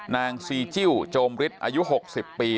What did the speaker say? นางซีจิ้วโจมฤทธิ์อายุ๖๐ปี